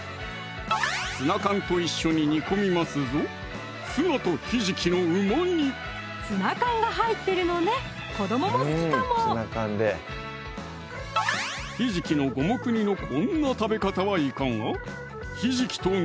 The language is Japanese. ツナ缶と一緒に煮込みますぞツナ缶が入ってるのね子どもも好きかもひじきの五目煮のこんな食べ方はいかが？